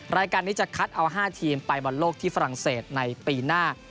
รายการนี้จะคัดเอา๕ทีมไปบอลโลกที่ฝรั่งเศสในปีหน้า